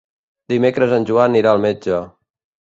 Dimecres en Joan irà al metge.